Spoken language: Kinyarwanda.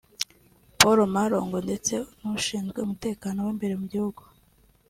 Paul Malong ndetse n’ushinzwe umutekano w’imbere mu gihugu